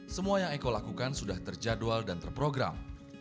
semua yang eko lakukan sudah terjadwal dan terprogram